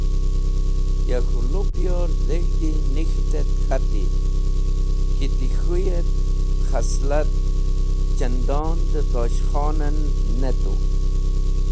Ya k̃hũ lupyor dheg̃hdi nik̃ht k̃hati ki ti khuy et khaslat chandon dẽ Tosh Khon en ne tu.